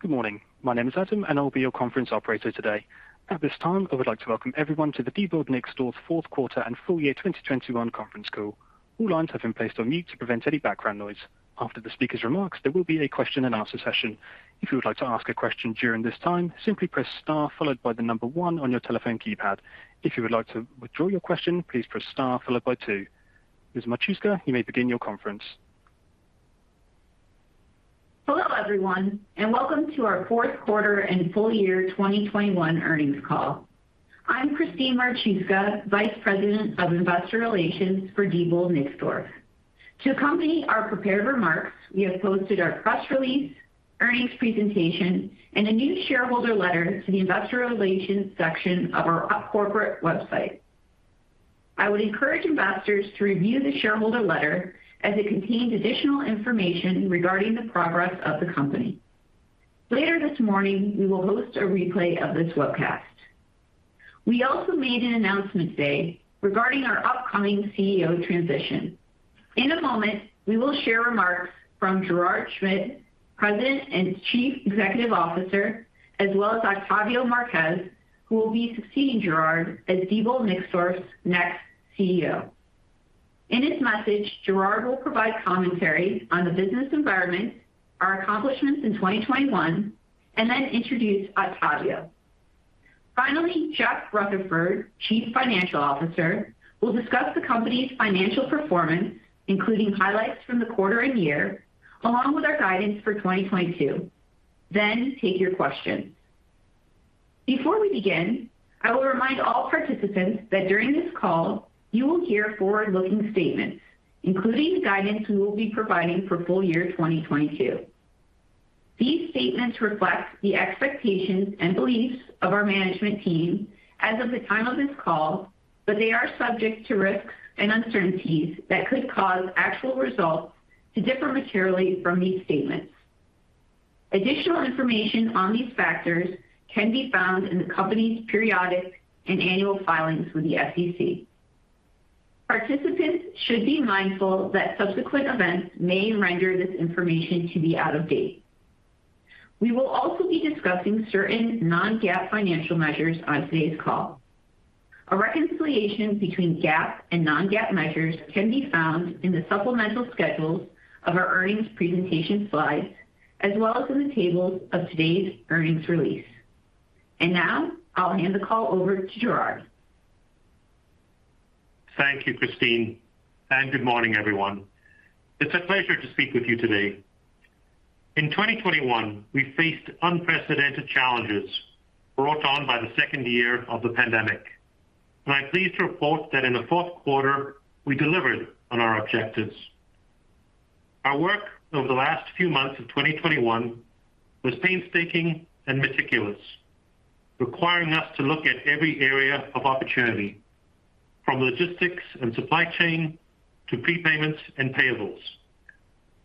Good morning. My name is Adam, and I'll be your conference operator today. At this time, I would like to welcome everyone to the Diebold Nixdorf fourth quarter and full year 2021 conference call. All lines have been placed on mute to prevent any background noise. After the speaker's remarks, there will be a question and answer session. If you would like to ask a question during this time, simply press Star followed by the number 1 on your telephone keypad. If you would like to withdraw your question, please press Star followed by 2. Ms. Marchuska, you may begin your conference. Hello, everyone, and welcome to our fourth quarter and full year 2021 earnings call. I'm Christine Marchuska, Vice President of Investor Relations for Diebold Nixdorf. To accompany our prepared remarks, we have posted our press release, earnings presentation, and a new shareholder letter to the investor relations section of our corporate website. I would encourage investors to review the shareholder letter as it contains additional information regarding the progress of the company. Later this morning, we will host a replay of this webcast. We also made an announcement today regarding our upcoming CEO transition. In a moment, we will share remarks from Gerrard Schmid, President and Chief Executive Officer, as well as Octavio Marquez, who will be succeeding Gerrard as Diebold Nixdorf's next CEO. In his message, Gerrard will provide commentary on the business environment, our accomplishments in 2021, and then introduce Octavio. Finally, Jeff Rutherford, Chief Financial Officer, will discuss the company's financial performance, including highlights from the quarter and year, along with our guidance for 2022, then take your questions. Before we begin, I will remind all participants that during this call you will hear forward-looking statements, including the guidance we will be providing for full year 2022. These statements reflect the expectations and beliefs of our management team as of the time of this call, but they are subject to risks and uncertainties that could cause actual results to differ materially from these statements. Additional information on these factors can be found in the company's periodic and annual filings with the SEC. Participants should be mindful that subsequent events may render this information to be out of date. We will also be discussing certain non-GAAP financial measures on today's call. A reconciliation between GAAP and non-GAAP measures can be found in the supplemental schedules of our earnings presentation slides, as well as in the tables of today's earnings release. Now I'll hand the call over to Gerrard. Thank you, Christine, and good morning, everyone. It's a pleasure to speak with you today. In 2021, we faced unprecedented challenges brought on by the second year of the pandemic, and I'm pleased to report that in the fourth quarter we delivered on our objectives. Our work over the last few months of 2021 was painstaking and meticulous, requiring us to look at every area of opportunity from logistics and supply chain to prepayments and payables.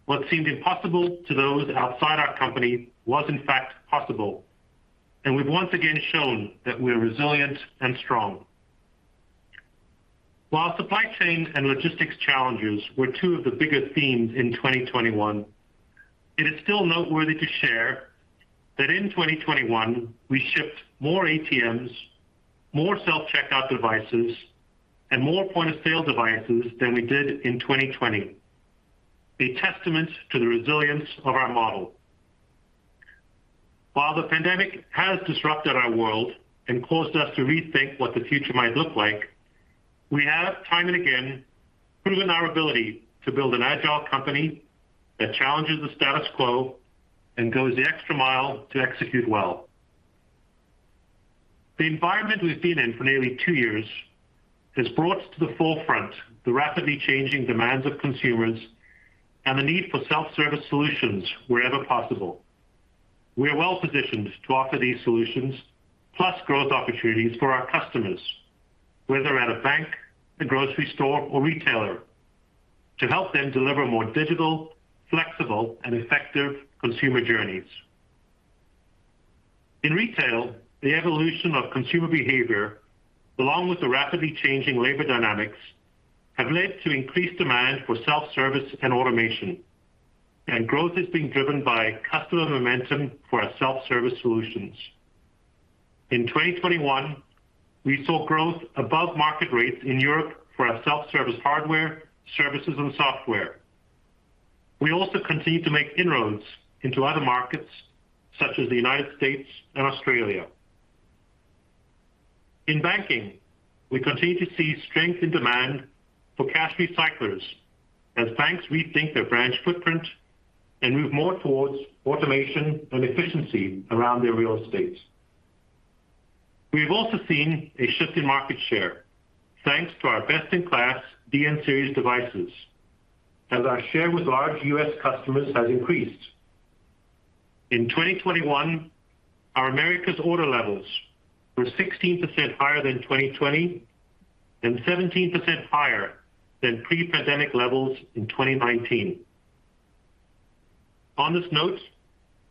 What seemed impossible to those outside our company was in fact possible, and we've once again shown that we're resilient and strong. While supply chain and logistics challenges were two of the biggest themes in 2021, it is still noteworthy to share that in 2021 we shipped more ATMs, more self-checkout devices, and more point-of-sale devices than we did in 2020, a testament to the resilience of our model. While the pandemic has disrupted our world and caused us to rethink what the future might look like, we have time and again proven our ability to build an agile company that challenges the status quo and goes the extra mile to execute well. The environment we've been in for nearly two years has brought to the forefront the rapidly changing demands of consumers and the need for self-service solutions wherever possible. We are well-positioned to offer these solutions plus growth opportunities for our customers, whether at a bank, a grocery store, or retailer, to help them deliver more digital, flexible, and effective consumer journeys. In retail, the evolution of consumer behavior, along with the rapidly changing labor dynamics, have led to increased demand for self-service and automation, and growth is being driven by customer momentum for our self-service solutions. In 2021, we saw growth above market rates in Europe for our self-service hardware, services, and software. We also continue to make inroads into other markets such as the United States and Australia. In banking, we continue to see strength in demand for cash recyclers as banks rethink their branch footprint and move more towards automation and efficiency around their real estate. We've also seen a shift in market share thanks to our best-in-class DN Series devices, as our share with large U.S. customers has increased. In 2021, our Americas order levels were 16% higher than 2020 and 17% higher than pre-pandemic levels in 2019. On this note,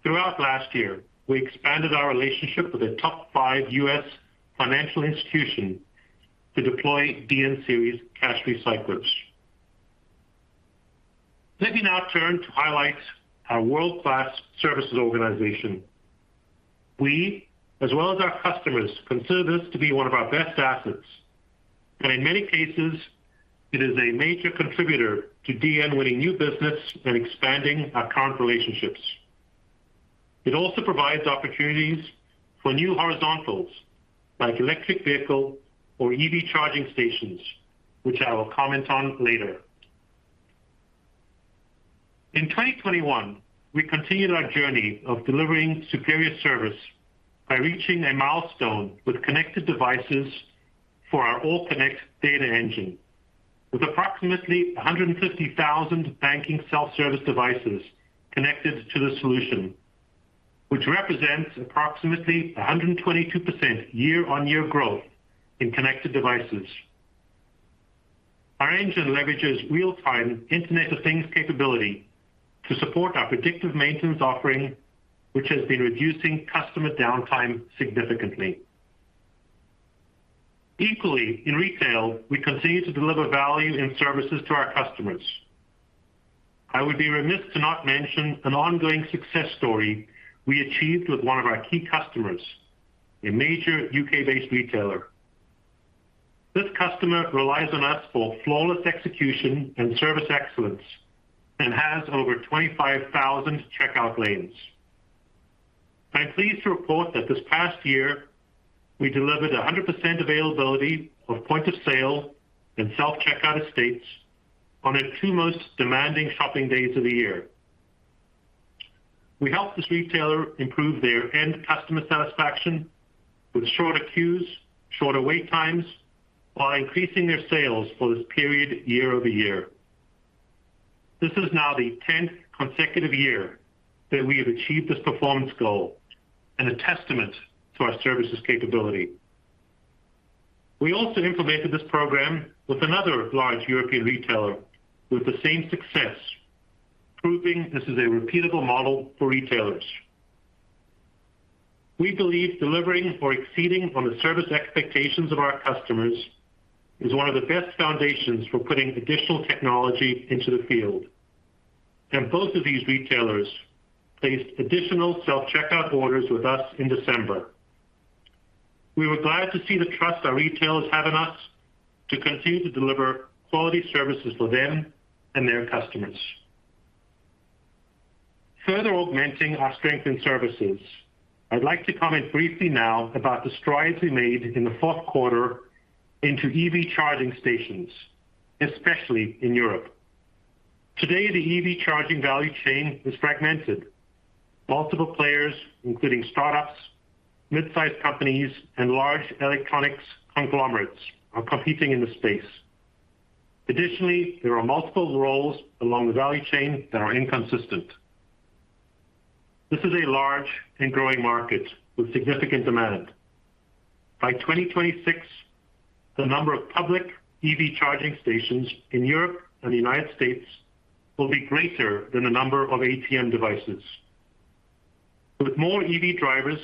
throughout last year, we expanded our relationship with a top five U.S. financial institution to deploy DN Series cash recyclers. Let me now turn to highlight our world-class services organization. We, as well as our customers, consider this to be one of our best assets, and in many cases, it is a major contributor to DN winning new business and expanding our current relationships. It also provides opportunities for new horizontals, like electric vehicle or EV charging stations, which I will comment on later. In 2021, we continued our journey of delivering superior service by reaching a milestone with connected devices for our AllConnect Data Engine. With approximately 150,000 banking self-service devices connected to the solution, which represents approximately 122% year-on-year growth in connected devices. Our engine leverages real-time Internet of Things capability to support our predictive maintenance offering, which has been reducing customer downtime significantly. Equally, in retail, we continue to deliver value and services to our customers. I would be remiss to not mention an ongoing success story we achieved with one of our key customers, a major U.K.-based retailer. This customer relies on us for flawless execution and service excellence, and has over 25,000 checkout lanes. I'm pleased to report that this past year, we delivered 100% availability of point-of-sale and self-checkout estates on their two most demanding shopping days of the year. We helped this retailer improve their end customer satisfaction with shorter queues, shorter wait times, while increasing their sales for this period year-over-year. This is now the tenth consecutive year that we have achieved this performance goal and a testament to our services capability. We also implemented this program with another large European retailer with the same success, proving this is a repeatable model for retailers. We believe delivering or exceeding on the service expectations of our customers is one of the best foundations for putting additional technology into the field. Both of these retailers placed additional self-checkout orders with us in December. We were glad to see the trust our retailers have in us to continue to deliver quality services for them and their customers. Further augmenting our strength in services, I'd like to comment briefly now about the strides we made in the fourth quarter into EV charging stations, especially in Europe. Today, the EV charging value chain is fragmented. Multiple players, including startups, mid-sized companies, and large electronics conglomerates, are competing in the space. Additionally, there are multiple roles along the value chain that are inconsistent. This is a large and growing market with significant demand. By 2026, the number of public EV charging stations in Europe and the United States will be greater than the number of ATM devices. With more EV drivers,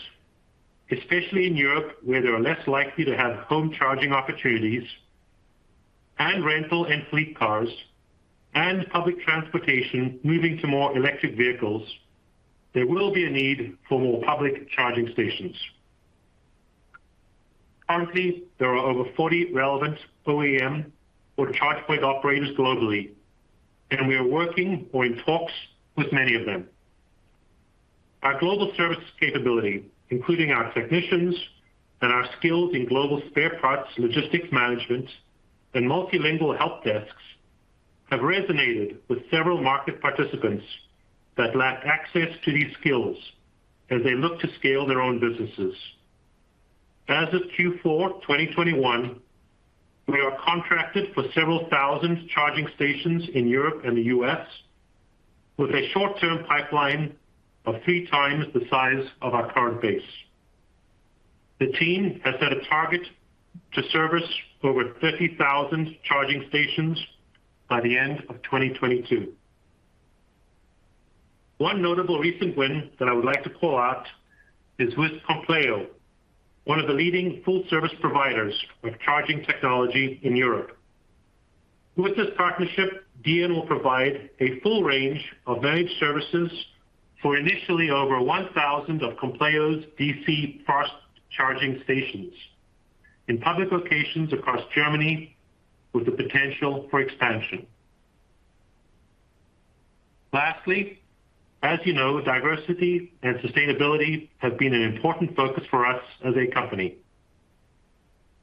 especially in Europe, where they are less likely to have home charging opportunities, and rental and fleet cars, and public transportation moving to more electric vehicles, there will be a need for more public charging stations. Currently, there are over 40 relevant OEM or charge point operators globally, and we are working or in talks with many of them. Our global service capability, including our technicians and our skills in global spare parts, logistics management, and multilingual help desks, have resonated with several market participants that lack access to these skills as they look to scale their own businesses. As of Q4 2021, we are contracted for several thousand charging stations in Europe and the U.S. with a short-term pipeline of three times the size of our current base. The team has set a target to service over 30,000 charging stations by the end of 2022. One notable recent win that I would like to call out is with Compleo, one of the leading full-service providers of charging technology in Europe. With this partnership, DN will provide a full range of managed services for initially over 1,000 of Compleo's DC fast charging stations in public locations across Germany with the potential for expansion. Lastly, as you know, diversity and sustainability have been an important focus for us as a company.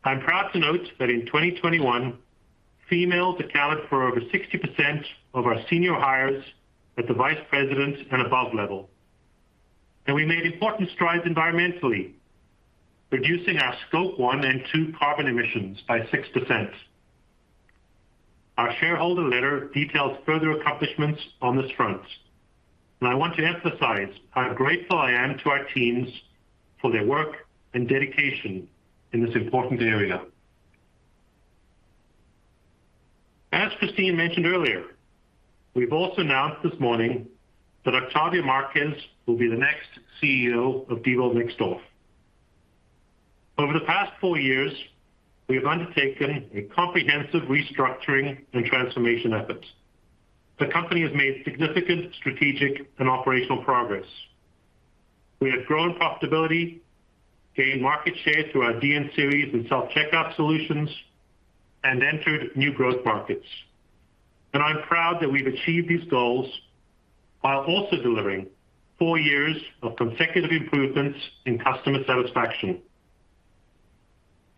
I'm proud to note that in 2021, females accounted for over 60% of our senior hires at the Vice President and above level. We made important strides environmentally, reducing our Scope 1 and 2 carbon emissions by 6%. Our shareholder letter details further accomplishments on this front, and I want to emphasize how grateful I am to our teams for their work and dedication in this important area. As Christine mentioned earlier, we've also announced this morning that Octavio Marquez will be the next CEO of Diebold Nixdorf. Over the past four years, we have undertaken a comprehensive restructuring and transformation efforts. The company has made significant strategic and operational progress. We have grown profitability, gained market share through our DN Series and self-checkout solutions, and entered new growth markets. I'm proud that we've achieved these goals while also delivering four years of consecutive improvements in customer satisfaction.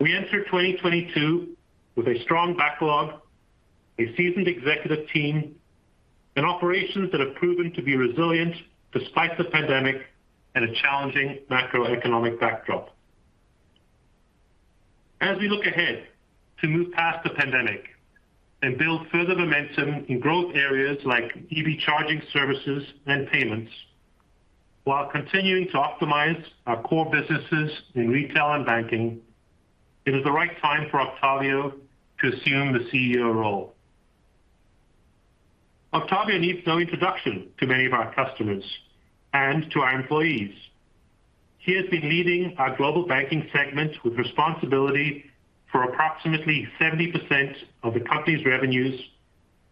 We enter 2022 with a strong backlog, a seasoned executive team, and operations that have proven to be resilient despite the pandemic and a challenging macroeconomic backdrop. As we look ahead to move past the pandemic and build further momentum in growth areas like EV charging services and payments, while continuing to optimize our core businesses in retail and banking, it is the right time for Octavio to assume the CEO role. Octavio needs no introduction to many of our customers and to our employees. He has been leading our global banking segment with responsibility for approximately 70% of the company's revenues,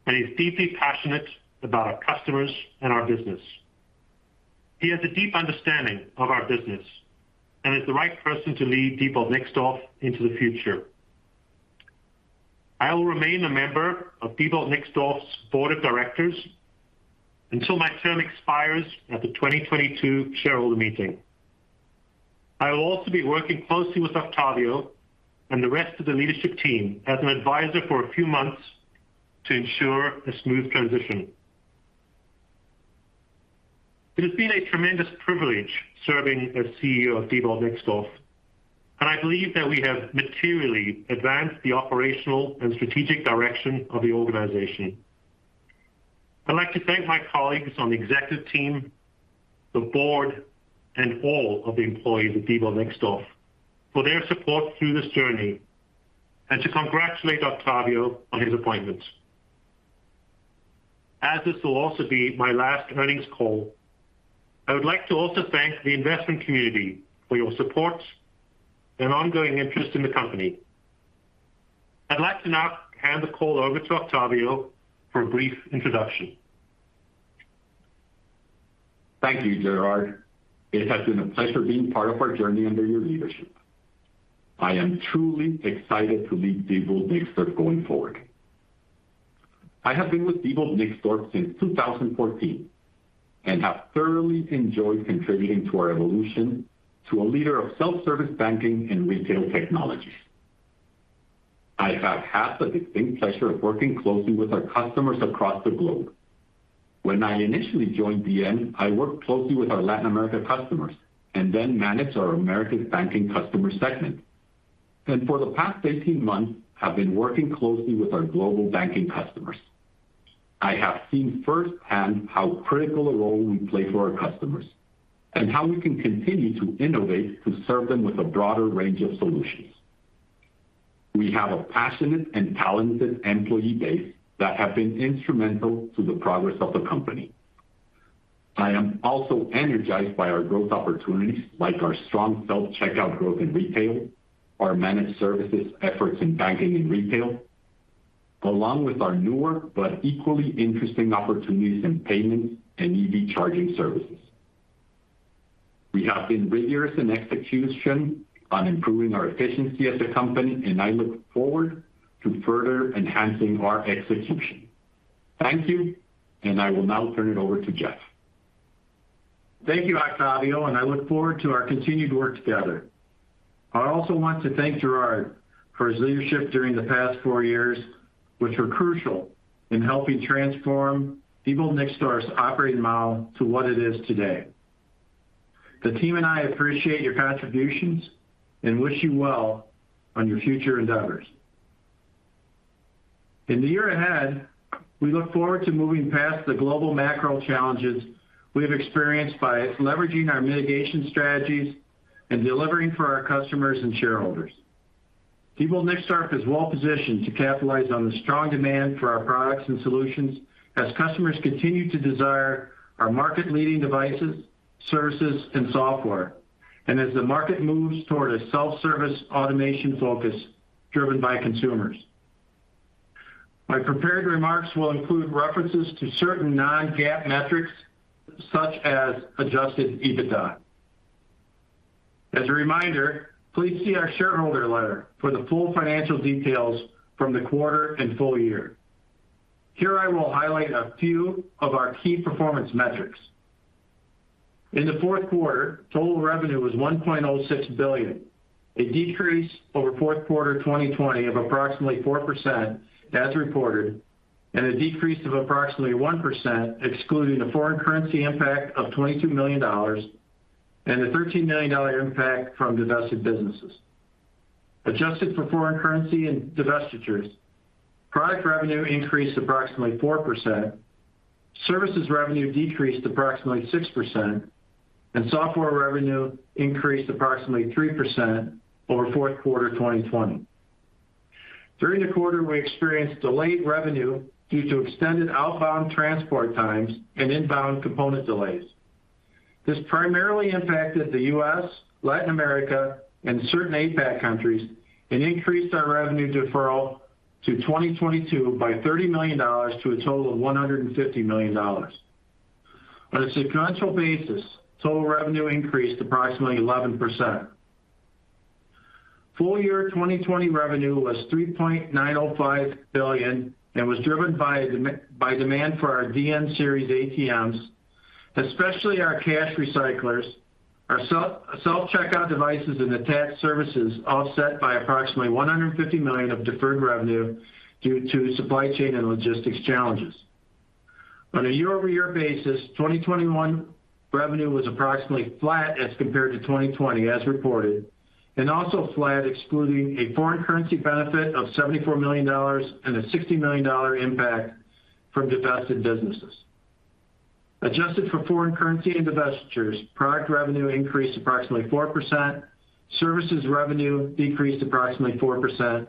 and he's deeply passionate about our customers and our business. He has a deep understanding of our business and is the right person to lead Diebold Nixdorf into the future. I will remain a member of Diebold Nixdorf's board of directors until my term expires at the 2022 shareholder meeting. I will also be working closely with Octavio and the rest of the leadership team as an advisor for a few months to ensure a smooth transition. It has been a tremendous privilege serving as CEO of Diebold Nixdorf, and I believe that we have materially advanced the operational and strategic direction of the organization. I'd like to thank my colleagues on the executive team, the board, and all of the employees of Diebold Nixdorf for their support through this journey and to congratulate Octavio on his appointment. As this will also be my last earnings call, I would like to also thank the investment community for your support and ongoing interest in the company. I'd like to now hand the call over to Octavio for a brief introduction. Thank you, Gerrard. It has been a pleasure being part of our journey under your leadership. I am truly excited to lead Diebold Nixdorf going forward. I have been with Diebold Nixdorf since 2014 and have thoroughly enjoyed contributing to our evolution to a leader of self-service banking and retail technologies. I have had the distinct pleasure of working closely with our customers across the globe. When I initially joined DN, I worked closely with our Latin America customers and then managed our Americas banking customer segment. For the past 18 months, I've been working closely with our global banking customers. I have seen firsthand how critical a role we play for our customers and how we can continue to innovate to serve them with a broader range of solutions. We have a passionate and talented employee base that have been instrumental to the progress of the company. I am also energized by our growth opportunities, like our strong self-checkout growth in retail, our managed services efforts in banking and retail, along with our newer but equally interesting opportunities in payments and EV charging services. We have been rigorous in execution on improving our efficiency as a company, and I look forward to further enhancing our execution. Thank you, and I will now turn it over to Jeff. Thank you, Octavio, and I look forward to our continued work together. I also want to thank Gerrard for his leadership during the past four years, which were crucial in helping transform Diebold Nixdorf's operating model to what it is today. The team and I appreciate your contributions and wish you well on your future endeavors. In the year ahead, we look forward to moving past the global macro challenges we have experienced by leveraging our mitigation strategies and delivering for our customers and shareholders. Diebold Nixdorf is well positioned to capitalize on the strong demand for our products and solutions as customers continue to desire our market-leading devices, services, and software, and as the market moves toward a self-service automation focus driven by consumers. My prepared remarks will include references to certain non-GAAP metrics, such as adjusted EBITDA. As a reminder, please see our shareholder letter for the full financial details from the quarter and full year. Here I will highlight a few of our key performance metrics. In the fourth quarter, total revenue was $1.06 billion, a decrease over fourth quarter 2020 of approximately 4% as reported, and a decrease of approximately 1% excluding the foreign currency impact of $22 million and the $13 million impact from divested businesses. Adjusted for foreign currency and divestitures, product revenue increased approximately 4% Services revenue decreased approximately 6%, and software revenue increased approximately 3% over fourth quarter 2020. During the quarter, we experienced delayed revenue due to extended outbound transport times and inbound component delays. This primarily impacted the U.S., Latin America, and certain APAC countries, and increased our revenue deferral to 2022 by $30 million to a total of $150 million. On a sequential basis, total revenue increased approximately 11%. Full year 2020 revenue was $3.905 billion and was driven by demand for our DN Series ATMs, especially our cash recyclers, our self-checkout devices, and attached services offset by approximately $150 million of deferred revenue due to supply chain and logistics challenges. On a year-over-year basis, 2021 revenue was approximately flat as compared to 2020 as reported, and also flat excluding a foreign currency benefit of $74 million and a $60 million impact from divested businesses. Adjusted for foreign currency and divestitures, product revenue increased approximately 4%, services revenue decreased approximately 4%,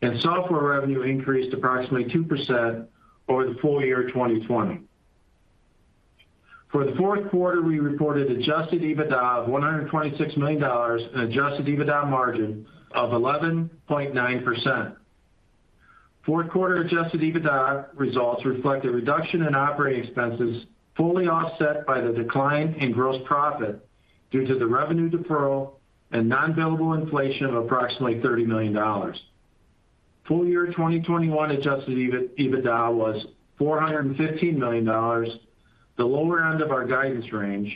and software revenue increased approximately 2% over the full year 2020. For the fourth quarter, we reported adjusted EBITDA of $126 million and adjusted EBITDA margin of 11.9%. Fourth quarter adjusted EBITDA results reflect a reduction in operating expenses, fully offset by the decline in gross profit due to the revenue deferral and non-billable inflation of approximately $30 million. Full year 2021 adjusted EBITDA was $415 million, the lower end of our guidance range,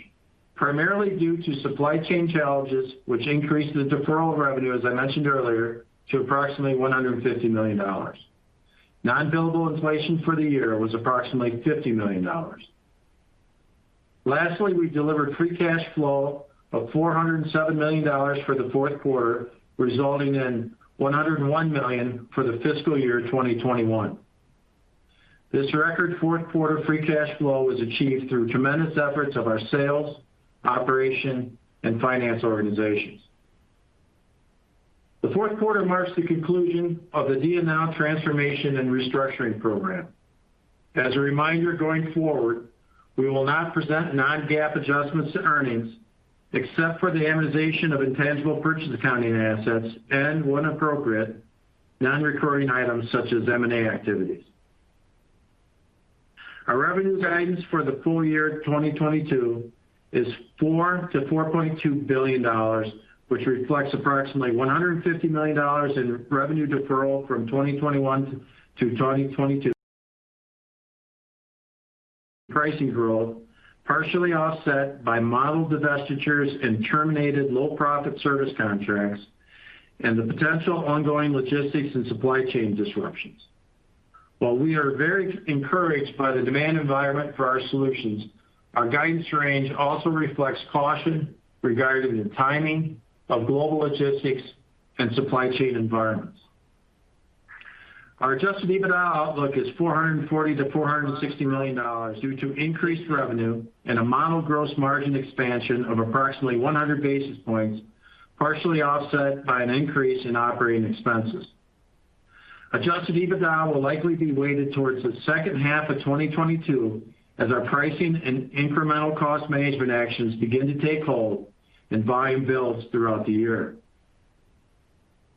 primarily due to supply chain challenges which increased the deferral of revenue, as I mentioned earlier, to approximately $150 million. Non-billable inflation for the year was approximately $50 million. Lastly, we delivered free cash flow of $407 million for the fourth quarter, resulting in $101 million for the fiscal year 2021. This record fourth quarter free cash flow was achieved through tremendous efforts of our sales, operation, and finance organizations. The fourth quarter marks the conclusion of the DN Now transformation and restructuring program. As a reminder going forward, we will not present non-GAAP adjustments to earnings except for the amortization of intangible purchase accounting assets and, when appropriate, non-recurring items such as M&A activities. Our revenue guidance for the full year 2022 is $4 billion-$4.2 billion, which reflects approximately $150 million in revenue deferral from 2021 to 2022 pricing growth, partially offset by model divestitures and terminated low-profit service contracts and the potential ongoing logistics and supply chain disruptions. While we are very encouraged by the demand environment for our solutions, our guidance range also reflects caution regarding the timing of global logistics and supply chain environments. Our adjusted EBITDA outlook is $440 million-$460 million due to increased revenue and a model gross margin expansion of approximately 100 basis points, partially offset by an increase in operating expenses. Adjusted EBITDA will likely be weighted towards the second half of 2022 as our pricing and incremental cost management actions begin to take hold and volume builds throughout the year.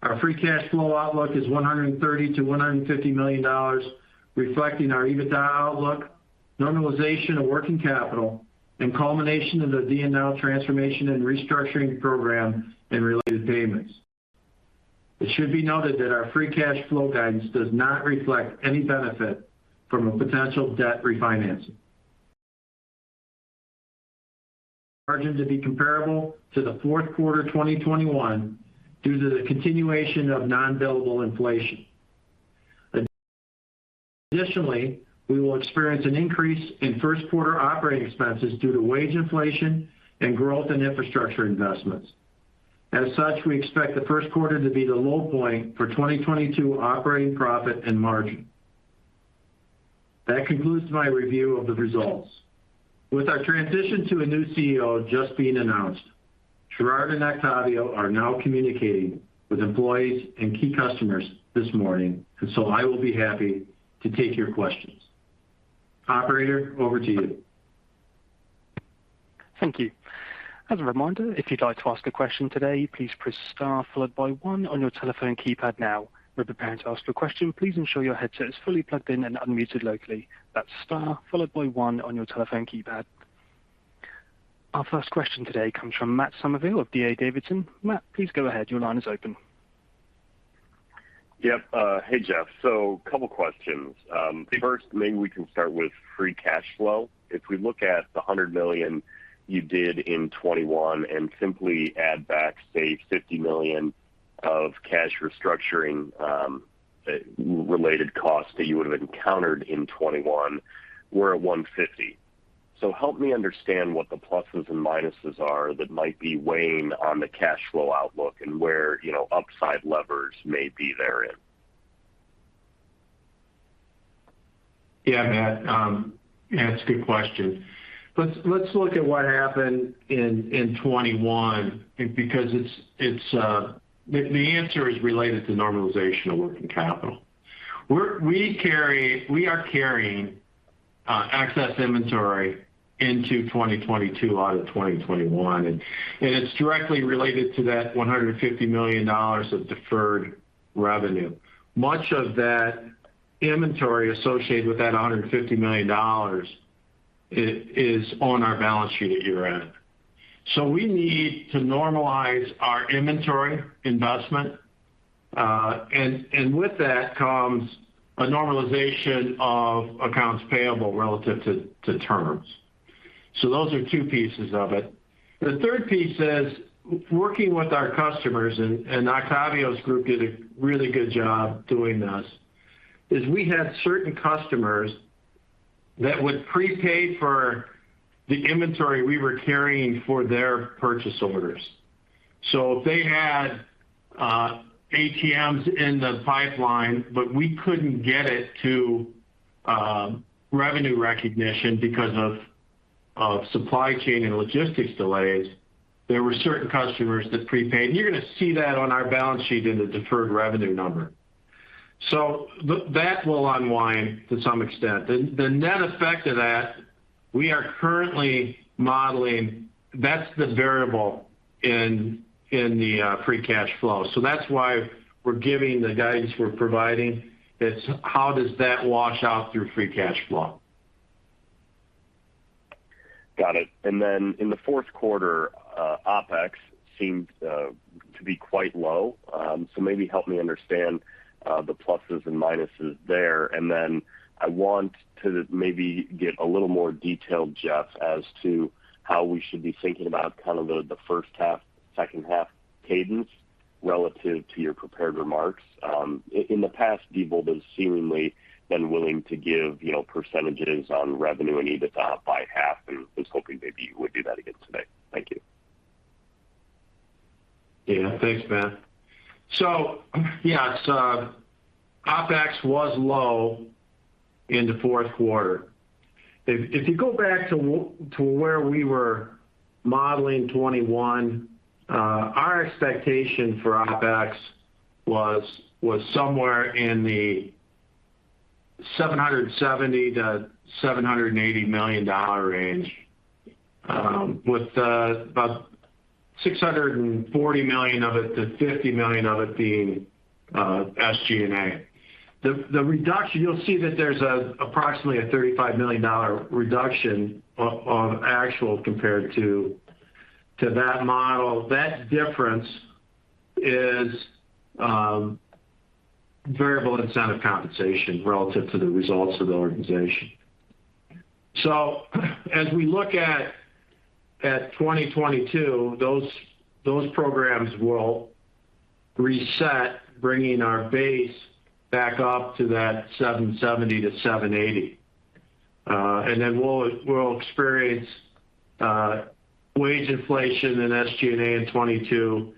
Our free cash flow outlook is $130 million-$150 million, reflecting our EBITDA outlook, normalization of working capital, and culmination of the DN Now transformation and restructuring program and related payments. It should be noted that our free cash flow guidance does not reflect any benefit from a potential debt refinancing. We expect first quarter margin to be comparable to the fourth quarter 2021 due to the continuation of non-billable inflation. Additionally, we will experience an increase in first quarter operating expenses due to wage inflation and growth in infrastructure investments. As such, we expect the first quarter to be the low point for 2022 operating profit and margin. That concludes my review of the results. With our transition to a new CEO just being announced, Gerrard and Octavio are now communicating with employees and key customers this morning, and so I will be happy to take your questions. Operator, over to you. Thank you. As a reminder, if you'd like to ask a question today, please press star followed by one on your telephone keypad now. When preparing to ask your question, please ensure your headset is fully plugged in and unmuted locally. That's star followed by one on your telephone keypad. Our first question today comes from Matt Summerville of D.A. Davidson. Matt, please go ahead. Your line is open. Yep. Hey, Jeff. Couple questions. First, maybe we can start with free cash flow. If we look at the $100 million you did in 2021 and simply add back, say, $50 million of cash restructuring related costs that you would have encountered in 2021, we're at $150 million. Help me understand what the pluses and minuses are that might be weighing on the cash flow outlook and where, upside levers may be therein. Yeah, Matt. Yeah, that's a good question. Let's look at what happened in 2021 because it's the answer is related to normalization of working capital. We are carrying excess inventory into 2022 out of 2021, and it's directly related to that $150 million of deferred revenue. Much of that inventory associated with that $150 million is on our balance sheet at year-end. So we need to normalize our inventory investment, and with that comes a normalization of accounts payable relative to terms. So those are two pieces of it. The third piece is working with our customers, and Octavio's group did a really good job doing this, is we had certain customers that would prepay for the inventory we were carrying for their purchase orders. They had ATMs in the pipeline, but we couldn't get it to revenue recognition because of supply chain and logistics delays. There were certain customers that prepaid. You're gonna see that on our balance sheet in the deferred revenue number. That will unwind to some extent. The net effect of that we are currently modeling. That's the variable in the free cash flow. That's why we're giving the guidance we're providing. It's how does that wash out through free cash flow? Got it. Then in the fourth quarter, OpEx seemed to be quite low. Maybe help me understand the pluses and minuses there. I want to maybe get a little more detail, Jeff, as to how we should be thinking about kind of the first half, second half cadence relative to your prepared remarks. In the past, Diebold has seemingly been willing to give, you know, percentages on revenue and EBITDA by half, and was hoping maybe you would do that again today. Thank you. Yeah. Thanks, Matt. Yeah, it's OpEx was low in the fourth quarter. If you go back to where we were modeling 2021, our expectation for OpEx was somewhere in the $770 million-$780 million range, with about $640 million-$650 million of it being SG&A. The reduction, you'll see that there's approximately a $35 million reduction on actual compared to that model. That difference is variable incentive compensation relative to the results of the organization. As we look at 2022, those programs will reset, bringing our base back up to that $770-$780. And then we'll experience wage inflation in SG&A in 2022.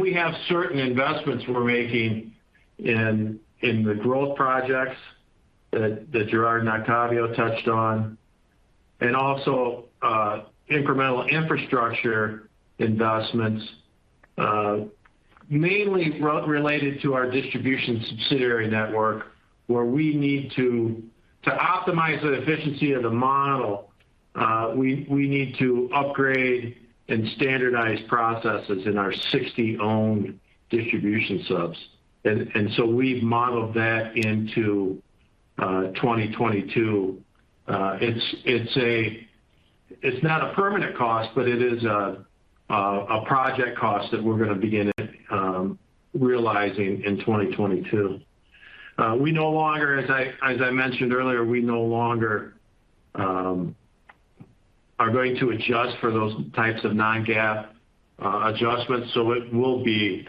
We have certain investments we're making in the growth projects that Gerrard and Octavio touched on. We also have incremental infrastructure investments, mainly related to our distribution subsidiary network, where we need to optimize the efficiency of the model. We need to upgrade and standardize processes in our 60 owned distribution subs. We've modeled that into 2022. It's not a permanent cost, but it is a project cost that we're gonna begin realizing in 2022. We no longer, as I mentioned earlier, are going to adjust for those types of non-GAAP adjustments, so it will be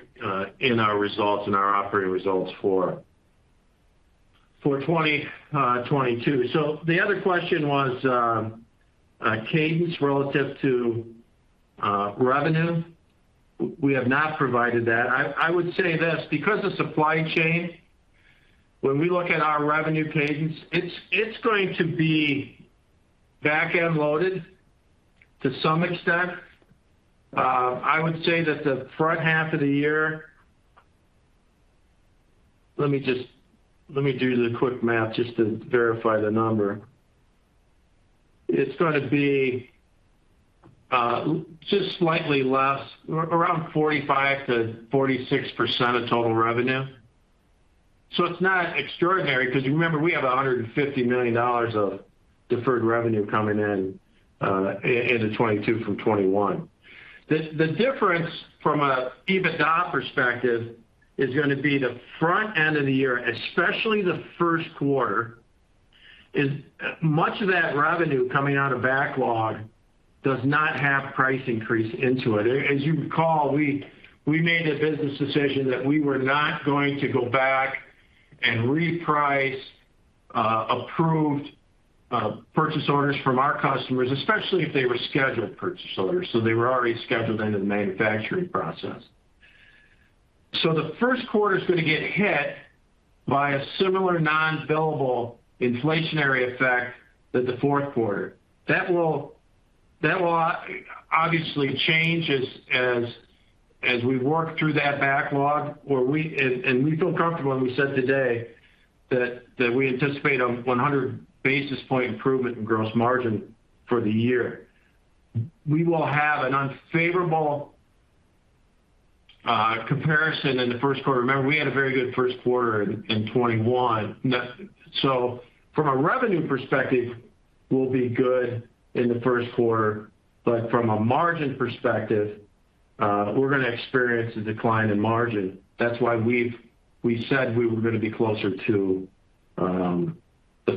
in our results, in our operating results for 2022. The other question was cadence relative to revenue. We have not provided that. I would say this, because of supply chain, when we look at our revenue cadence, it's going to be back-end loaded to some extent. I would say that the front half of the year. Let me do the quick math just to verify the number. It's gonna be just slightly less, around 45%-46% of total revenue. It's not extraordinary because remember we have $150 million of deferred revenue coming in into 2022 from 2021. The difference from an EBITDA perspective is gonna be the front end of the year, especially the first quarter, much of that revenue coming out of backlog does not have price increase into it. As you recall, we made the business decision that we were not going to go back and reprice approved purchase orders from our customers, especially if they were scheduled purchase orders, so they were already scheduled into the manufacturing process. The first quarter is gonna get hit by a similar non-billable inflationary effect to the fourth quarter. That will obviously change as we work through that backlog where we feel comfortable, and we said today that we anticipate a 100 basis point improvement in gross margin for the year. We will have an unfavorable comparison in the first quarter. Remember, we had a very good first quarter in 2021. From a revenue perspective, we'll be good in the first quarter, but from a margin perspective, we're gonna experience a decline in margin. That's why we said we were gonna be closer to the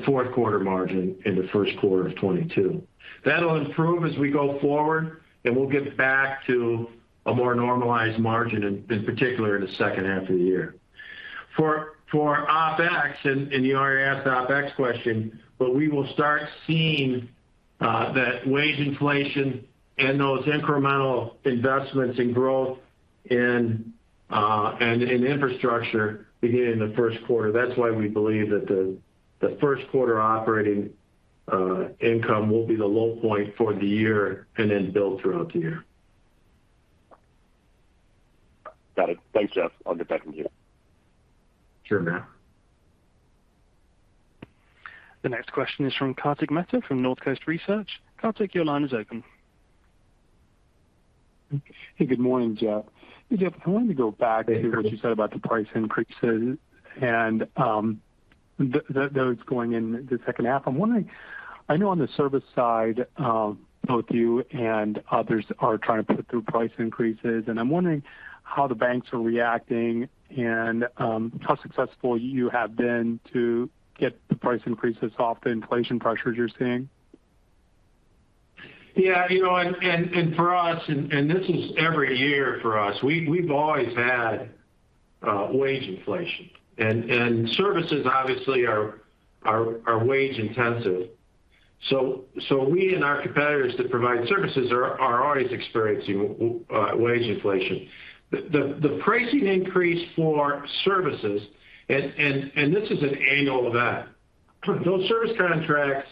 fourth quarter margin in the first quarter of 2022. That'll improve as we go forward, and we'll get back to a more normalized margin in particular in the second half of the year. For OpEx, and you already asked the OpEx question, but we will start seeing that wage inflation and those incremental investments in growth and in infrastructure beginning in the first quarter. That's why we believe that the first quarter operating income will be the low point for the year and then build throughout the year. Got it. Thanks, Jeff. I'll get back with you. Sure, Matt. The next question is from Kartik Mehta from Northcoast Research. Kartik, your line is open. Hey, good morning, Jeff. Hey, Jeff, I wanted to go back to- Hey, Kartik. What you said about the price increases and those going in the second half. I'm wondering, I know on the service side, both you and others are trying to put through price increases, and I'm wondering how the banks are reacting and how successful you have been to get the price increases off the inflation pressures you're seeing. Yeah, you know, for us, this is every year for us. We've always had wage inflation. Services obviously are wage intensive. We and our competitors that provide services are always experiencing wage inflation. The pricing increase for services and this is an annual event. Those service contracts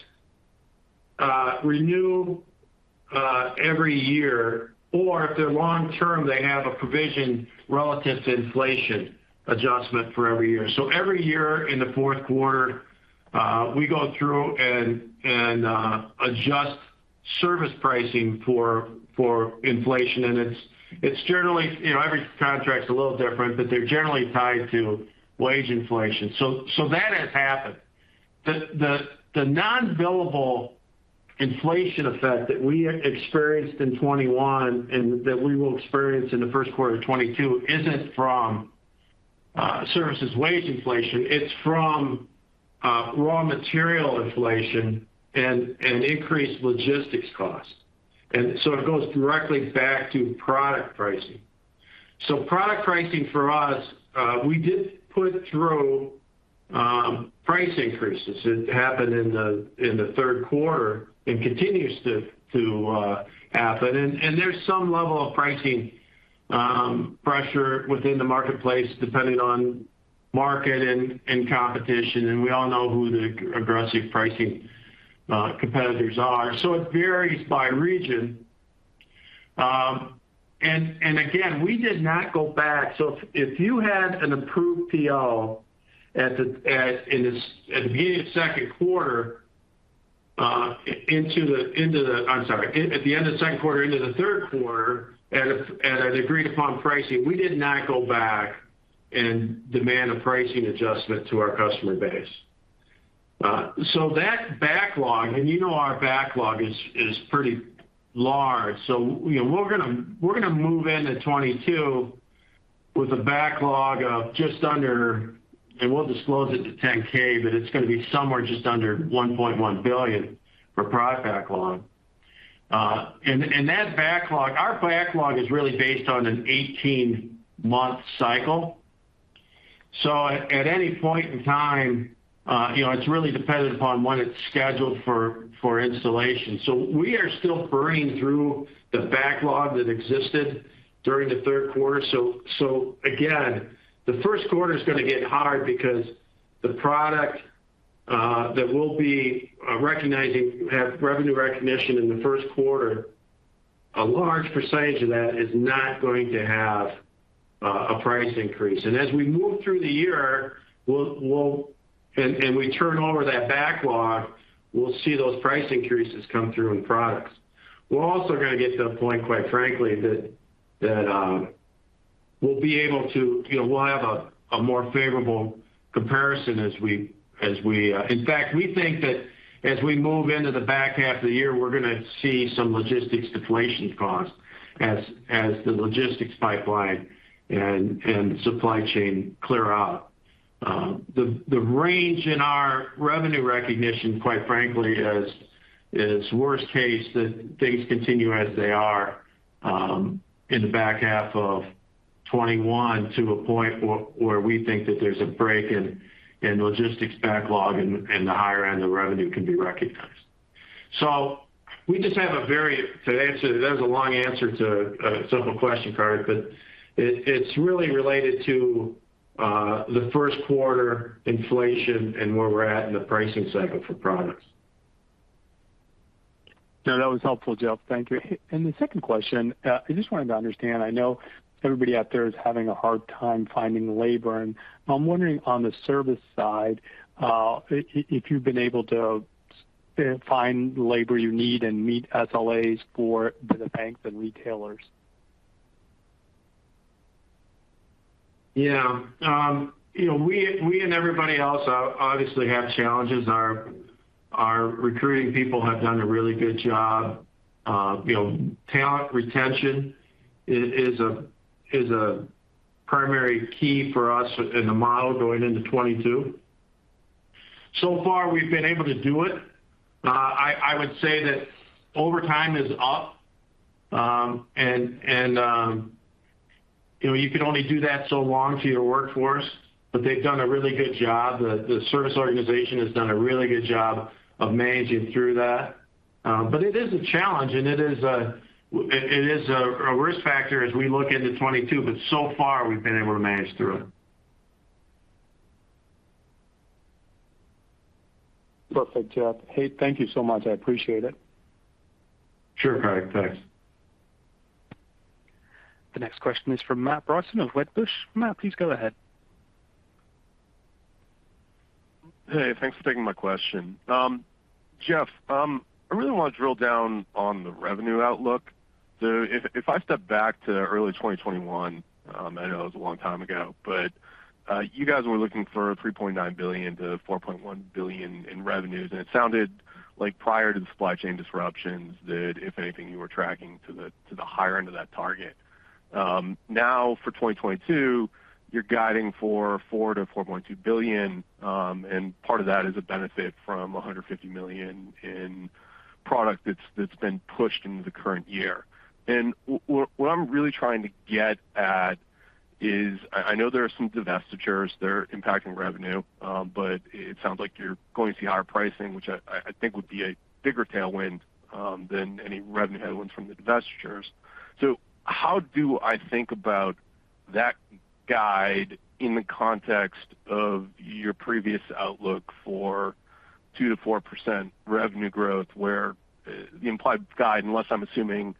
renew every year or if they're long term, they have a provision relative to inflation adjustment for every year. Every year in the fourth quarter, we go through and adjust service pricing for inflation, and it's generally. You know, every contract's a little different, but they're generally tied to wage inflation. That has happened. The non-billable inflation effect that we experienced in 2021 and that we will experience in the first quarter of 2022 isn't from services wage inflation. It's from raw material inflation and increased logistics costs. It goes directly back to product pricing. Product pricing for us, we did put through price increases. It happened in the third quarter and continues to happen. There's some level of pricing pressure within the marketplace depending on market and competition, and we all know who the aggressive pricing competitors are. It varies by region. Again, we did not go back. If you had an approved PO at the beginning of second quarter. I'm sorry. At the end of the second quarter into the third quarter at an agreed upon pricing, we did not go back and demand a pricing adjustment to our customer base. So that backlog, and you know our backlog is pretty large. You know, we're gonna move into 2022 with a backlog of just under $1.1 billion for product backlog. We'll disclose it in the 10-K, but it's gonna be somewhere just under $1.1 billion for product backlog. That backlog, our backlog is really based on an 18-month cycle. At any point in time, you know, it's really dependent upon when it's scheduled for installation. We are still burning through the backlog that existed during the third quarter. Again, the first quarter's gonna get hard because the product that we'll have revenue recognition in the first quarter, a large percentage of that is not going to have a price increase. As we move through the year, we turn over that backlog, we'll see those price increases come through in products. We're also gonna get to a point, quite frankly, that, you know, we'll be able to have a more favorable comparison. In fact, we think that as we move into the back half of the year, we're gonna see some logistics deflation cost as the logistics pipeline and supply chain clear out. The range in our revenue recognition, quite frankly, has. It's worst case that things continue as they are in the back half of 2021 to a point where we think that there's a break in the logistics backlog and the higher end of revenue can be recognized. That was a long answer to a simple question, Kartik, but it's really related to the first quarter inflation and where we're at in the pricing cycle for products. No, that was helpful, Jeff. Thank you. The second question, I just wanted to understand, I know everybody out there is having a hard time finding labor, and I'm wondering on the service side, if you've been able to find the labor you need and meet SLAs for the banks and retailers? Yeah. You know, we and everybody else obviously have challenges. Our recruiting people have done a really good job. You know, talent retention is a primary key for us in the model going into 2022. So far, we've been able to do it. I would say that overtime is up, and you know, you can only do that so long to your workforce, but they've done a really good job. The service organization has done a really good job of managing through that. It is a challenge, and it is a risk factor as we look into 2022, but so far, we've been able to manage through it. Perfect, Jeff. Hey, thank you so much. I appreciate it. Sure, Craig. Thanks. The next question is from Matt Bryson of Wedbush. Matt, please go ahead. Hey, thanks for taking my question. Jeff, I really want to drill down on the revenue outlook. If I step back to early 2021, I know it was a long time ago, but you guys were looking for $3.9 billion-$4.1 billion in revenues, and it sounded like prior to the supply chain disruptions that if anything, you were tracking to the higher end of that target. Now for 2022, you're guiding for $4 billion-$4.2 billion, and part of that is a benefit from $150 million in product that's been pushed into the current year. What I'm really trying to get at is I know there are some divestitures that are impacting revenue, but it sounds like you're going to see higher pricing, which I think would be a bigger tailwind than any revenue headwind from the divestitures. How do I think about that guide in the context of your previous outlook for 2%-4% revenue growth, where the implied guide, unless I'm assuming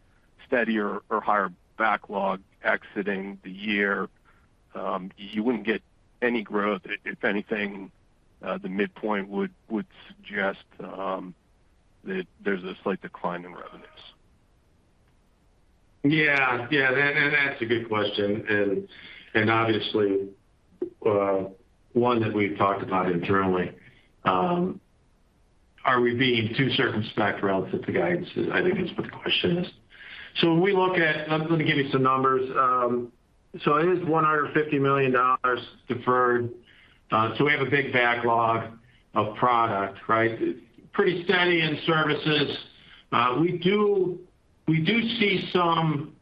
steadier or higher backlog exiting the year, you wouldn't get any growth. If anything, the midpoint would suggest that there's a slight decline in revenues. That's a good question and obviously one that we've talked about internally. Are we being too circumspect relative to guidance? I think is what the question is. When we look at, I'm gonna give you some numbers. It is $150 million deferred. We have a big backlog of product, right? Pretty steady in services. We do see some,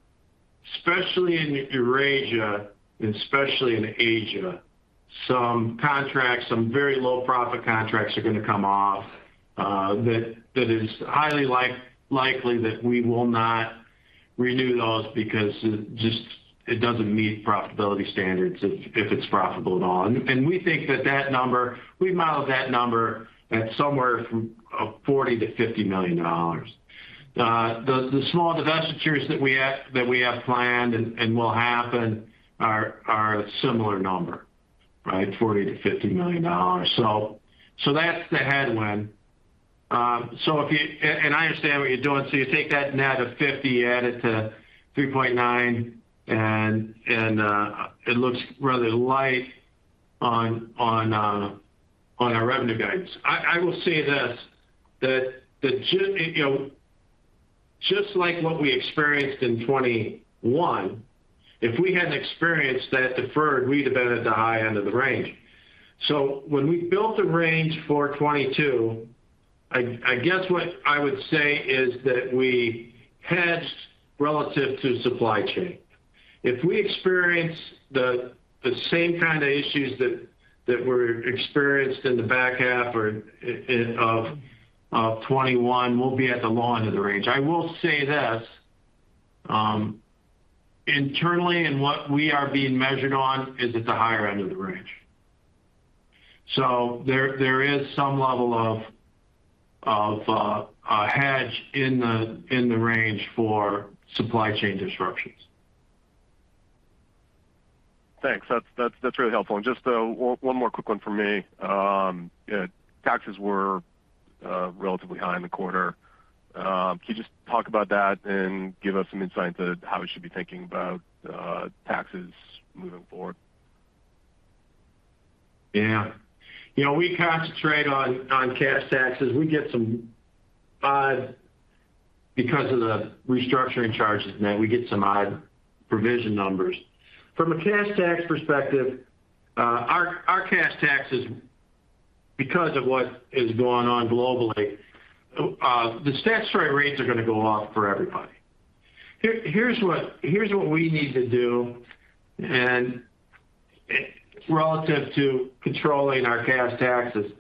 especially in Eurasia, and especially in Asia, some contracts, some very low profit contracts are gonna come off, that is highly likely that we will not renew those because it just doesn't meet profitability standards if it's profitable at all. We think that number we modeled that number at somewhere from $40 million-$50 million. The small divestitures that we have planned and will happen are a similar number, right? $40 million-$50 million. That's the headwind. I understand what you're doing. You take that net of $50 million, add it to 3.9, and it looks rather light on our revenue guidance. I will say this, that you know, just like what we experienced in 2021, if we hadn't experienced that deferred, we'd have been at the high end of the range. When we built the range for 2022, I guess what I would say is that we hedged relative to supply chain. If we experience the same kind of issues that were experienced in the back half of 2021, we'll be at the low end of the range. I will say this, internally and what we are being measured on is at the higher end of the range. There is some level of a hedge in the range for supply chain disruptions. Thanks. That's really helpful. Just one more quick one from me. Taxes were relatively high in the quarter. Can you just talk about that and give us some insight to how we should be thinking about taxes moving forward? Yeah. You know, we concentrate on cash taxes. We get some. Because of the restructuring charges, Matt, we get some odd provision numbers. From a cash tax perspective, our cash taxes because of what is going on globally, the statutory rates are gonna go up for everybody. Here's what we need to do and relative to controlling our cash taxes,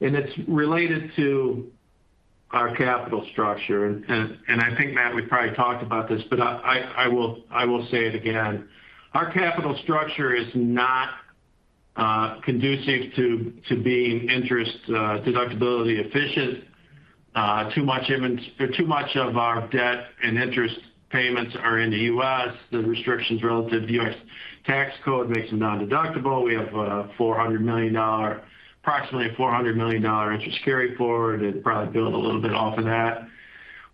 and it's related to our capital structure. I think, Matt, we probably talked about this, but I will say it again. Our capital structure is not conducive to being interest deductibility efficient. Too much of our debt and interest payments are in the U.S. The restrictions relative to U.S. tax code makes them nondeductible. We have a $400 million... approximately $400 million interest carryforward, and probably build a little bit off of that.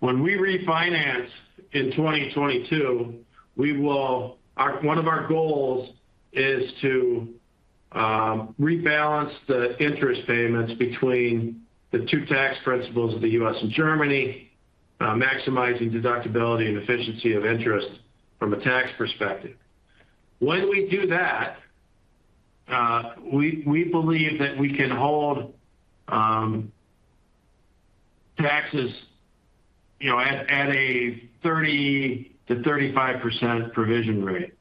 When we refinance in 2022, one of our goals is to rebalance the interest payments between the two tax jurisdictions of the U.S. and Germany, maximizing deductibility and efficiency of interest from a tax perspective. When we do that, we believe that we can hold taxes, you know, at a 30%-35% provision rate.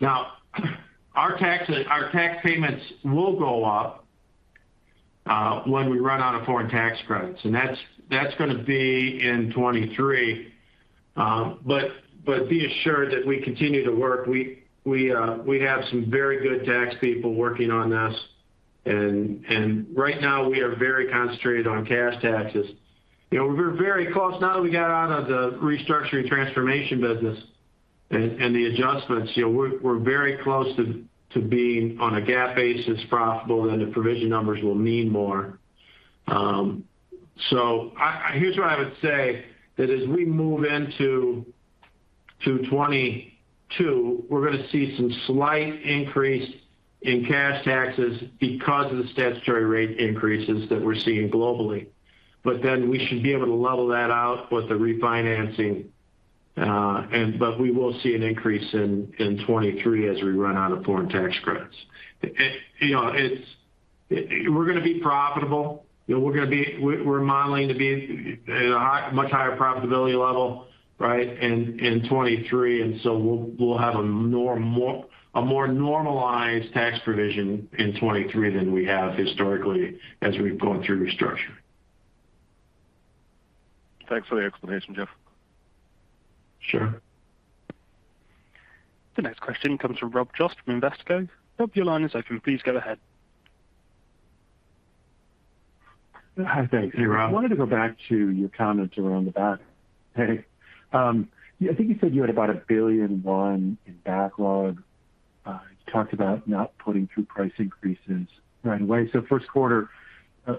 Now, our tax payments will go up when we run out of foreign tax credits, and that's gonna be in 2023. Be assured that we continue to work. We have some very good tax people working on this, and right now we are very concentrated on cash taxes. You know, we're very close now that we got out of the restructuring transformation business and the adjustments. You know, we're very close to being on a GAAP basis profitable, then the provision numbers will mean more. Here's what I would say, that as we move into 2022, we're gonna see some slight increase in cash taxes because of the statutory rate increases that we're seeing globally. We should be able to level that out with the refinancing. We will see an increase in 2023 as we run out of foreign tax credits. We're gonna be profitable. You know, we're modeling to be at a high, much higher profitability level, right, in 2023, and so we'll have a more normalized tax provision in 2023 than we have historically as we've gone through restructure. Thanks for the explanation, Jeff. Sure. The next question comes from Rob Jost from Invesco. Rob, your line is open. Please go ahead. Hi. Thanks. Hey, Rob. I wanted to go back to your comments around the backlog. I think you said you had about $1.1 billion in backlog. You talked about not putting through price increases right away. First quarter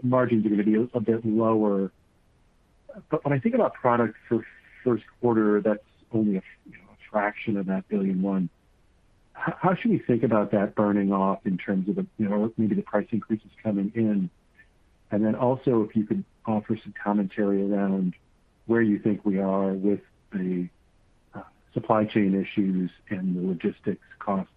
margins are gonna be a bit lower. When I think about product for first quarter, that's only a fraction of that $1.1 billion. How should we think about that burning off in terms of the, you know, maybe the price increases coming in? Then also if you could offer some commentary around where you think we are with the supply chain issues and the logistics costs.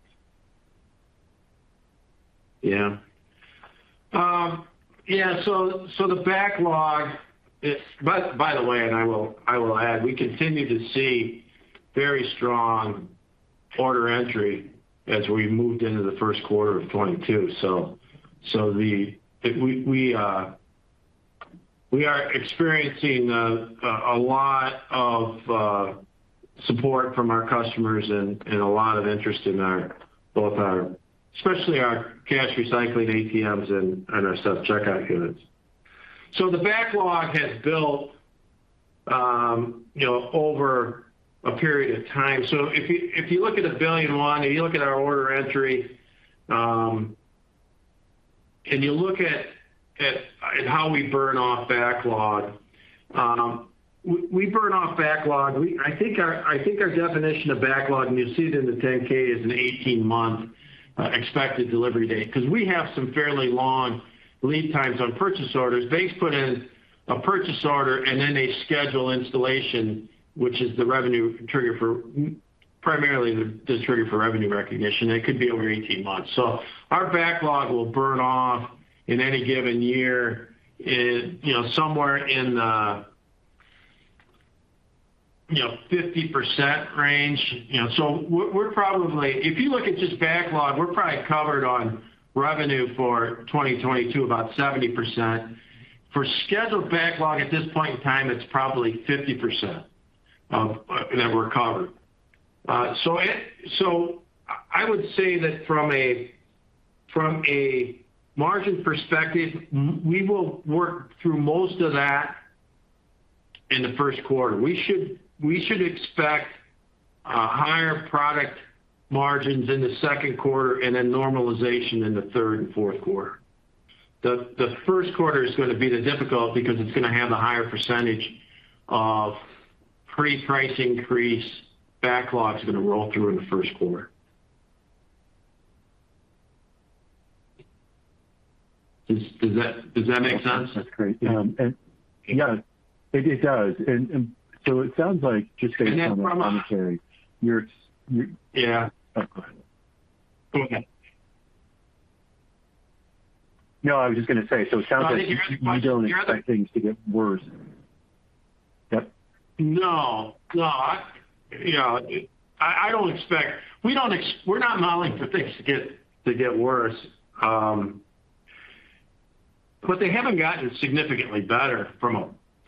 By the way, I will add, we continue to see very strong order entry as we moved into the first quarter of 2022. We are experiencing a lot of support from our customers and a lot of interest in our both our, especially our cash recycling ATMs and our self-checkout units. The backlog has built, you know, over a period of time. If you look at $1.1 billion, if you look at our order entry and you look at how we burn off backlog, we burn off backlog. I think our definition of backlog, and you'll see it in the 10-K, is an 18-month expected delivery date. 'Cause we have some fairly long lead times on purchase orders. Banks put in a purchase order, and then they schedule installation, which is primarily the trigger for revenue recognition. It could be over 18 months. Our backlog will burn off in any given year in, you know, somewhere in the, you know, 50% range. You know, we're probably... If you look at just backlog, we're probably covered on revenue for 2022 about 70%. For scheduled backlog at this point in time, it's probably 50% that we're covered. I would say that from a margin perspective, we will work through most of that in the first quarter. We should expect higher product margins in the second quarter and then normalization in the third and fourth quarter. The first quarter is gonna be the difficult because it's gonna have the higher percentage of pre-price increase backlogs gonna roll through in the first quarter. Does that make sense? That's great. Yeah, it does. It sounds like just based on my commentary- And then from a- You're, you're- Yeah. Oh, go ahead. Go ahead. No, I was just gonna say, so it sounds like. No, I think you. You don't expect things to get worse. Yep. No. You know, I don't expect. We're not modeling for things to get worse. But they haven't gotten significantly better from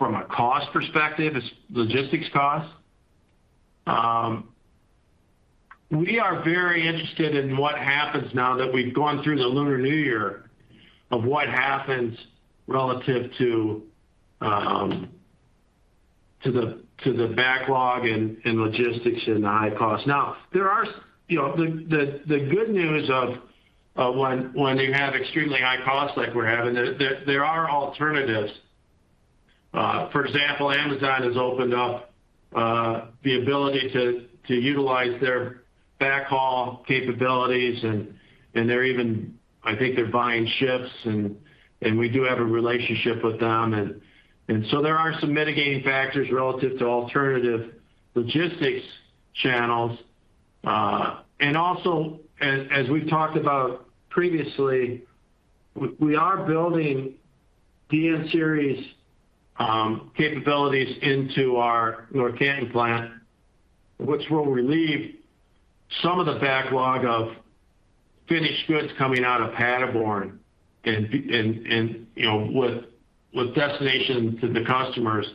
a cost perspective in logistics costs. We are very interested in what happens now that we've gone through the Lunar New Year in what happens relative to the backlog and logistics and the high costs. Now, you know, the good news is when you have extremely high costs like we're having, there are alternatives. For example, Amazon has opened up the ability to utilize their backhaul capabilities and they're even buying ships, I think, and we do have a relationship with them. There are some mitigating factors relative to alternative logistics channels. As we've talked about previously, we are building DN Series capabilities into our North Canton plant, which will relieve some of the backlog of finished goods coming out of Paderborn and, you know, with destination to the customers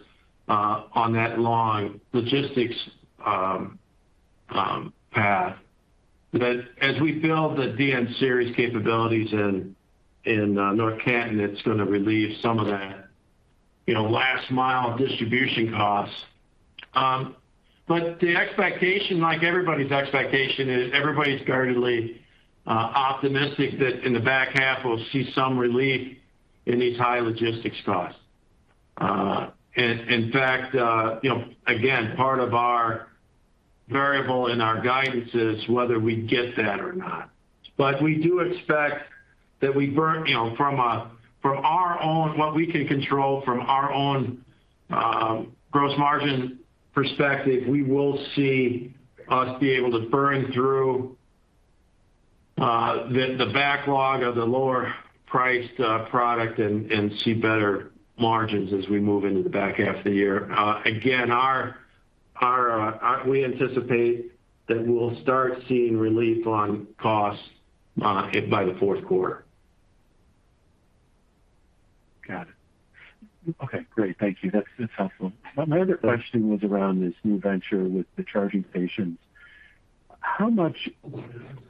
on that long logistics path. As we build the DN Series capabilities in North Canton, it's gonna relieve some of that, you know, last mile distribution costs. The expectation, like everybody's expectation is guardedly optimistic that in the back half we'll see some relief in these high logistics costs. In fact, you know, again, part of our variable in our guidance is whether we get that or not. We do expect that we burn from our own, what we can control, gross margin perspective, we will see us be able to burn through the backlog of the lower priced product and see better margins as we move into the back half of the year. Again, we anticipate that we'll start seeing relief on costs by the fourth quarter. Got it. Okay, great. Thank you. That's helpful. My other question was around this new venture with the charging stations. How much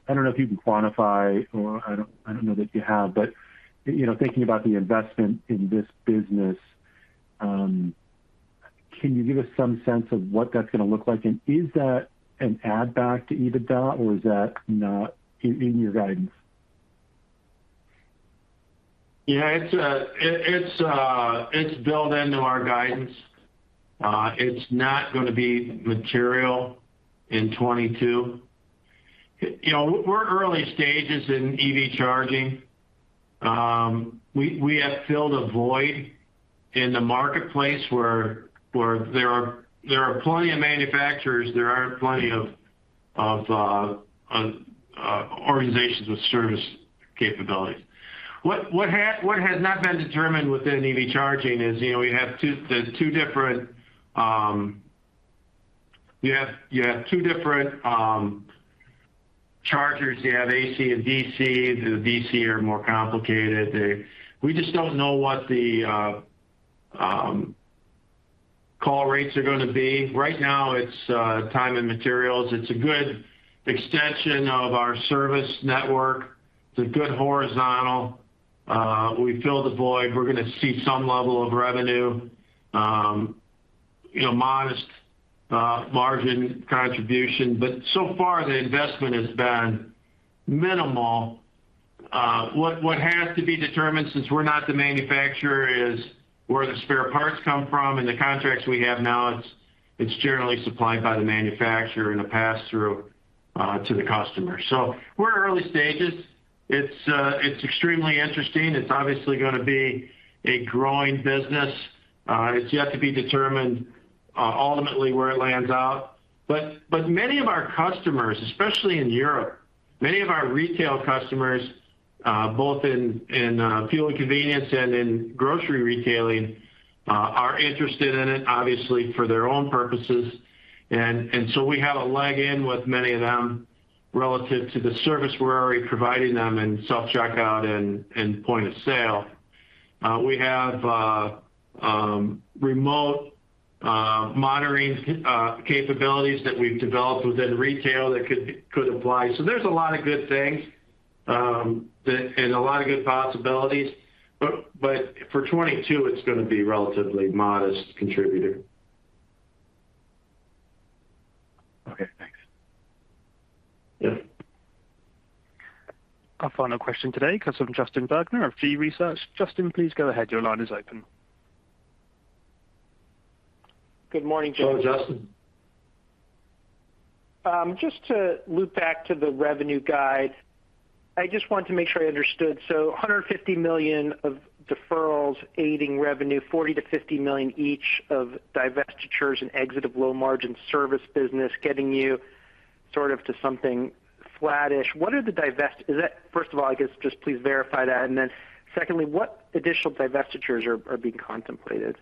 I don't know if you can quantify or I don't know that you have, but, you know, thinking about the investment in this business, can you give us some sense of what that's gonna look like? And is that an add back to EBITDA or is that not in your guidance? Yeah, it's built into our guidance. It's not gonna be material in 2022. You know, we're early stages in EV charging. We have filled a void in the marketplace where there are plenty of manufacturers, there aren't plenty of organizations with service capabilities. What has not been determined within EV charging is, you know, we have two. There's two different chargers. You have two different chargers. You have AC and DC. The DC are more complicated. We just don't know what the call rates are gonna be. Right now it's time and materials. It's a good extension of our service network. It's a good horizontal. We fill the void. We're gonna see some level of revenue, you know, modest margin contribution. So far the investment has been minimal. What has to be determined since we're not the manufacturer is where the spare parts come from. In the contracts we have now it's generally supplied by the manufacturer in a pass-through to the customer. We're early stages. It's extremely interesting. It's obviously gonna be a growing business. It's yet to be determined ultimately where it lands out. Many of our customers, especially in Europe, many of our retail customers, both in fuel and convenience and in grocery retailing, are interested in it, obviously for their own purposes. We have a leg in with many of them relative to the service we're already providing them in self-checkout and point-of-sale. We have remote monitoring capabilities that we've developed within retail that could apply. There's a lot of good things and a lot of good possibilities. For 2022 it's gonna be relatively modest contributor. Okay, thanks. Yeah. Our final question today comes from Justin Bergner of G. Research. Justin, please go ahead. Your line is open. Good morning, Jeff Rutherford. Hello, Justin. Just to loop back to the revenue guide, I just want to make sure I understood. $150 million of deferrals aiding revenue, $40-$50 million each of divestitures and exit of low-margin service business, getting you sort of to something flattish. What are the divestitures? First of all, I guess just please verify that. Then secondly, what additional divestitures are being contemplated?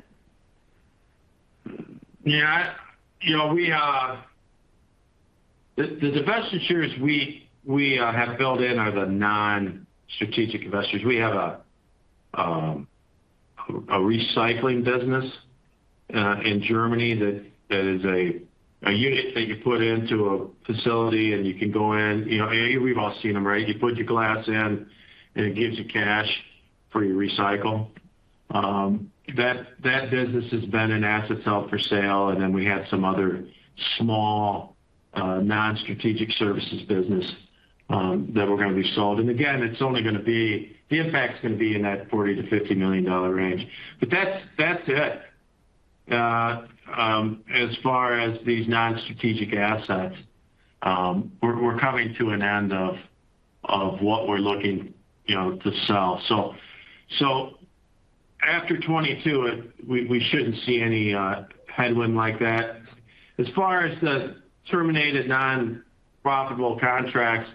You know, the divestitures we have built in are the non-strategic assets. We have a recycling business in Germany that is a unit that you put into a facility, and you can go in, you know, we've all seen them, right? You put your glass in, and it gives you cash for your recycle. That business has been an asset for sale, and then we had some other small non-strategic services businesses that were gonna be sold. Again, the impact's only gonna be in that $40 million-$50 million range. That's it. As far as these non-strategic assets, we're coming to an end of what we're looking to sell. After 2022, we shouldn't see any headwind like that. As far as the terminated non-profitable contracts,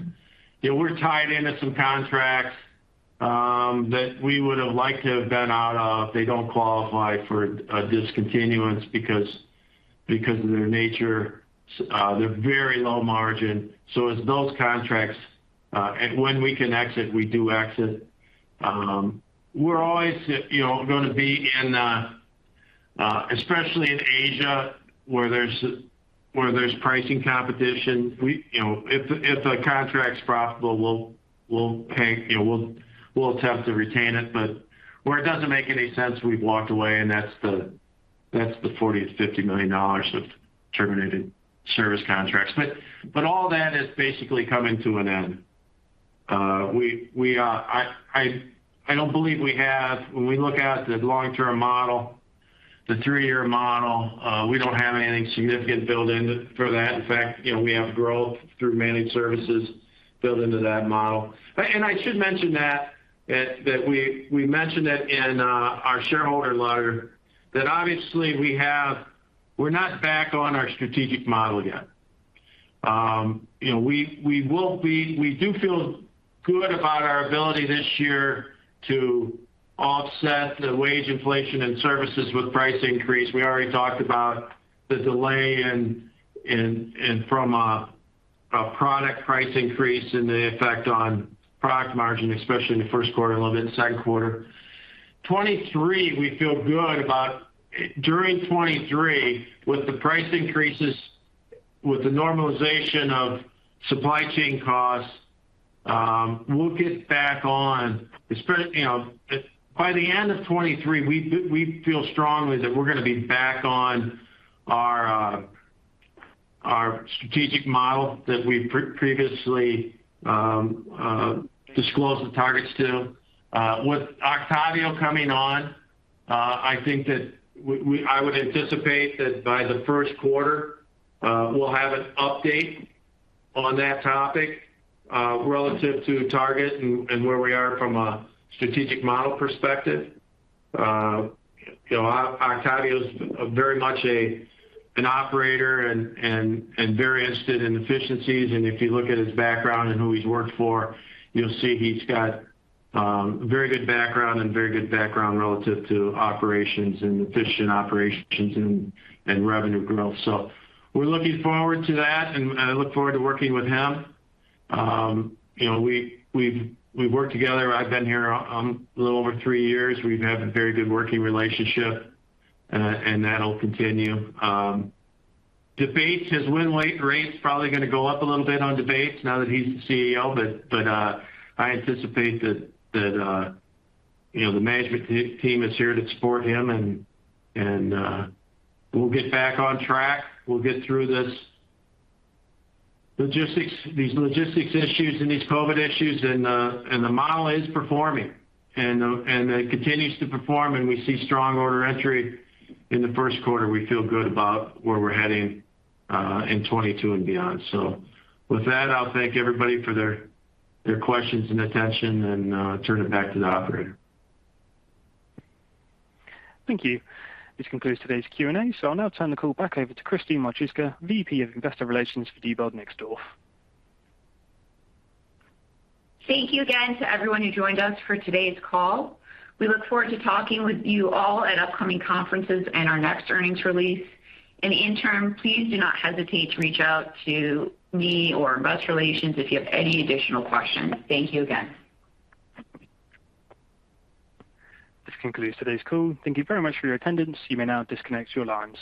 you know, we're tied into some contracts that we would have liked to have been out of. They don't qualify for a discontinuance because of their nature. They're very low margin. As those contracts and when we can exit, we do exit. We're always, you know, gonna be in especially in Asia, where there's pricing competition. You know, if a contract's profitable, we'll attempt to retain it. But where it doesn't make any sense, we've walked away, and that's the $40 million-$50 million of terminated service contracts. But all that is basically coming to an end. I don't believe we have... When we look at the long-term model, the three-year model, we don't have anything significant built in for that. In fact, you know, we have growth through managed services built into that model. I should mention that we mentioned it in our shareholder letter that obviously we're not back on our strategic model yet. You know, we will be. We do feel good about our ability this year to offset the wage inflation and services with price increase. We already talked about the delay from a product price increase and the effect on product margin, especially in the first quarter, a little bit in second quarter. 2023, we feel good about. During 2023, with the price increases, with the normalization of supply chain costs, we'll get back on, you know, by the end of 2023, we feel strongly that we're gonna be back on our strategic model that we previously disclosed the targets to. With Octavio coming on, I think that I would anticipate that by the first quarter, we'll have an update on that topic, relative to target and where we are from a strategic model perspective. You know, Octavio's very much an operator and very interested in efficiencies. If you look at his background and who he's worked for, you'll see he's got very good background and very good background relative to operations and efficient operations and revenue growth. We're looking forward to that, and I look forward to working with him. You know, we've worked together. I've been here a little over three years. We've had a very good working relationship, and that'll continue. Debates, his win rate's probably gonna go up a little bit on debates now that he's the CEO. But I anticipate that you know, the management team is here to support him, and we'll get back on track. We'll get through these logistics issues and these COVID issues. The model is performing, and it continues to perform, and we see strong order entry in the first quarter. We feel good about where we're heading in 2022 and beyond. With that, I'll thank everybody for their questions and attention and turn it back to the operator. Thank you. This concludes today's Q&A. I'll now turn the call back over to Christine Marchuska, VP of Investor Relations for Diebold Nixdorf. Thank you again to everyone who joined us for today's call. We look forward to talking with you all at upcoming conferences and our next earnings release. In turn, please do not hesitate to reach out to me or Investor Relations if you have any additional questions. Thank you again. This concludes today's call. Thank you very much for your attendance. You may now disconnect your lines.